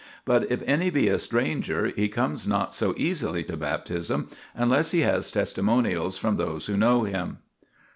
But if any be a stranger, he comes not so easily to Baptism, unless he has testimonials from those who know him.